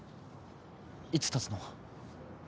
いつたつの？